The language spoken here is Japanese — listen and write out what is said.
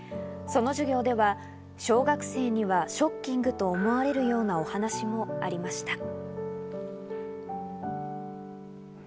その授業では、小学生にはショッキングと思われるようなお話もありました。